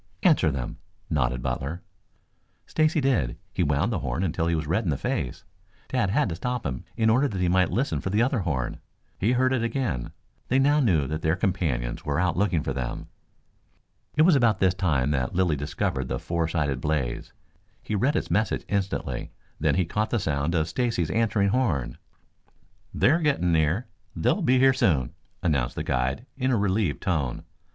"Answer them," nodded Butler. Stacy did. He wound the horn until he was red in the face. Tad had to stop him in order that he might listen for the other horn. He heard it again. They now knew that their companions were out looking for them. It was about this time that Lilly discovered the four sided blaze. He read its message instantly. Then he caught the sound of Stacy's answering horn. "They are getting near. They will be here soon," announced the guide in a relieved tone.